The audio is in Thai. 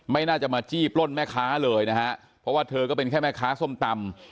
ไม่น่าจะมาจี้ปล้นแม่ค้าเลยนะฮะเพราะว่าเธอก็เป็นแค่แม่ค้าส้มตำ